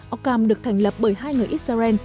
ockham được thành lập bởi hai người israel